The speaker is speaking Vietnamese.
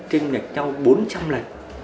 trên đạch nhau bốn trăm linh lần